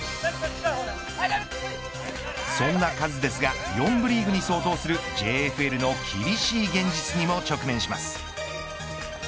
そんなカズですが４部リーグに相当するＪＦＬの厳しい現実にも直面します。